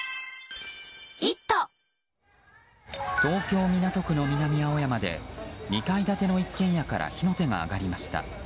東京・港区の南青山で２階建ての一軒家から火の手が上がりました。